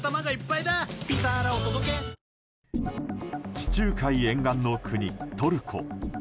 地中海沿岸の国、トルコ。